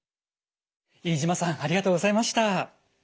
飯島さんありがとうございました。